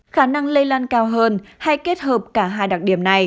khả năng lây lan cao hơn hay kết hợp cả hai đặc điểm này